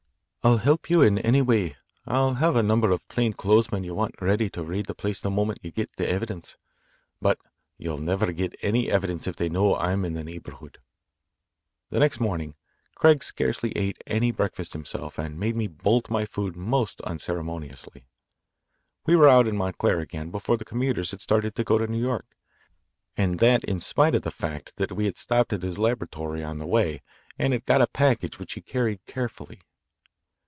I'll help you in any way. I'll have any number of plain clothes men you want ready to raid the place the moment you get the evidence. But you'll never get any evidence if they know I'm in the neighbourhood." The next morning Craig scarcely ate any breakfast himself and made me bolt my food most unceremoniously. We were out in Montclair again before the commuters had started to go to New York, and that in spite of the fact that we had stopped at his laboratory on the way and had got a package which he carried carefully.